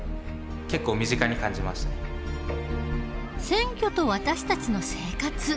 選挙と私たちの生活。